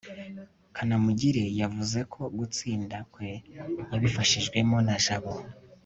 kanamugire yavuze ko gutsinda kwe yabifashijwemo na jabo